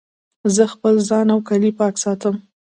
زه خپل ځان او کالي پاک ساتم.